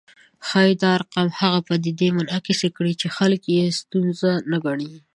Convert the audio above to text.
ښايي دا ارقام هغه پدیدې منعکس کړي چې خلک یې ستونزه نه ګڼي